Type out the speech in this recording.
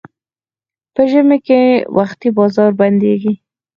په ژمي کې وختي بازار بندېږي.